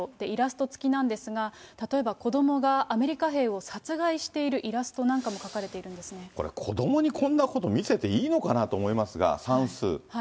憎くてたまらない米軍の野郎って、イラスト付きなんですが、例えば子どもがアメリカ兵を殺害しているイラストなんかも描かれこれ、子どもにこんなこと見せていいのかなと思いますが。